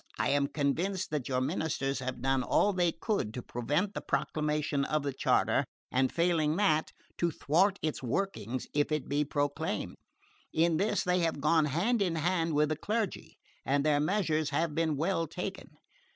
I am convinced that your ministers have done all they could to prevent the proclamation of the charter, and failing that, to thwart its workings if it be proclaimed. In this they have gone hand in hand with the clergy, and their measures have been well taken.